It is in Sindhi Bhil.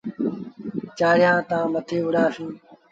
چآڙيآن تآن مٿي وُهڙآ سيٚݩ۔